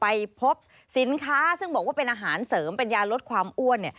ไปพบสินค้าซึ่งบอกว่าเป็นอาหารเสริมเป็นยาลดความอ้วน